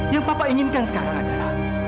yang papa inginkan sekarang adalah